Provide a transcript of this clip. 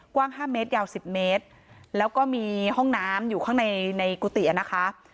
กว้าง๕เมตรยาว๑๐เมตรแล้วก็มีห้องน้ำอยู่ข้างในในกุฏินะคะ